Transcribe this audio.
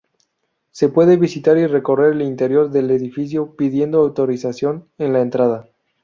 Se puede visitar y recorrer el interior del edificio pidiendo autorización en la entrada.